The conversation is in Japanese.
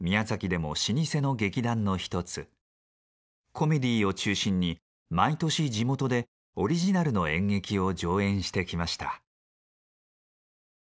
コメディーを中心に毎年地元でオリジナルの演劇を上演してきました。